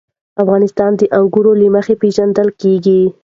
افغانستان د انګور له مخې پېژندل کېږي.